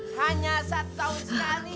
hanya satu tahun sekali